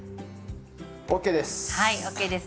ＯＫです！